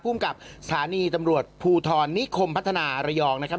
ภูมิกับสถานีตำรวจภูทรนิคมพัฒนาระยองนะครับ